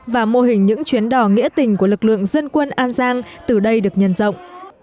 và mô hình những chuyến đò nghĩa tình của lực lượng dân quân an giang từ đây được nhân rộng